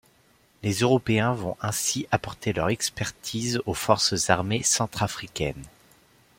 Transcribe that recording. Les Européens vont ainsi apporter leur expertise aux forces armées centrafricaines.